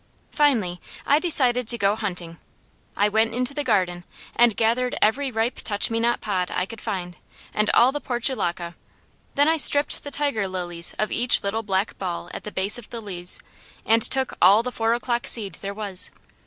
Finally, I decided to go hunting. I went into the garden and gathered every ripe touch me not pod I could find, and all the portulaca. Then I stripped the tiger lilies of each little black ball at the bases of the leaves, and took all the four o'clock seed there was.